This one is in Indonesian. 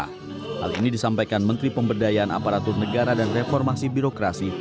hal ini disampaikan menteri pemberdayaan aparatur negara dan reformasi birokrasi